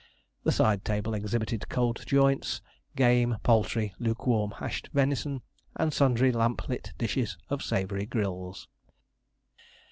The side table exhibited cold joints, game, poultry, lukewarm hashed venison, and sundry lamp lit dishes of savoury grills.